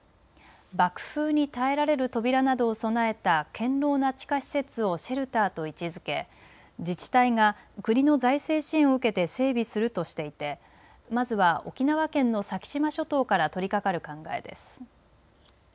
爆風に耐えられる扉などを備えた堅ろうな地下施設をシェルターと位置づけ自治体が国の財政支援を受けて整備するとしていてまずは沖縄県の先島諸島から取りかかる考えです。